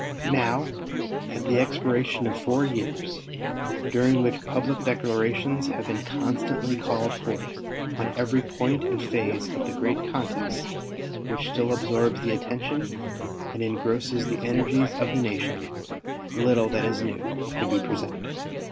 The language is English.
Now, at the expiration of four years, during which public declarations have been constantly called forth on every point and phase of the great contest which still absorbs the attention and engrosses the energies of the nation, little that is new could be presented.